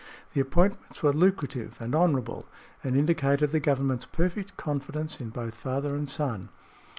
The appointments were lucrative and honorable, and indicated the Government's perfect confidence in both father and son.